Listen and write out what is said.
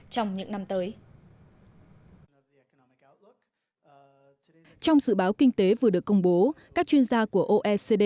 trong những năm tới trong dự báo kinh tế vừa được công bố các chuyên gia của oecd